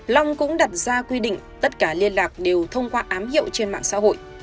long cũng đặt ra quy định tất cả liên lạc đều thông qua ám hiệu trên mạng xã hội